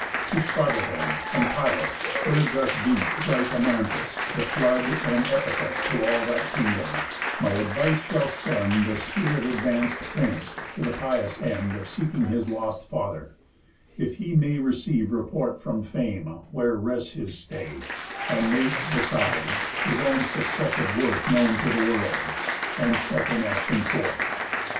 To Sparta then, and Pylos, where doth beat Bright Amathus, the flood, and epithet To all that kingdom, my advice shall send The spirit advanc'd Prince, to the pious end Of seeking his lost father, if he may Receive report from Fame where rests his stay; And make, besides, his own successive worth Known to the world, and set in action forth."